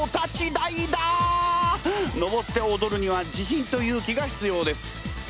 のぼっておどるには自信と勇気が必要です。